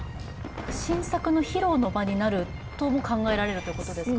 新作の披露の場になるということも考えられるということですかね？